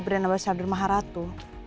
sabar dan nama sabar maharatu